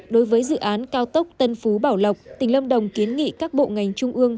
đối với dự án cao tốc tân phú bảo lộc tỉnh lâm đồng kiến nghị các bộ ngành trung ương